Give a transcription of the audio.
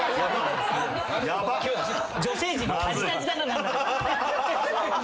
今日女性陣がタジタジだな何だか。